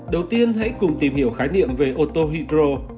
đầu tiên hãy cùng tìm hiểu khái niệm về ô tô hydro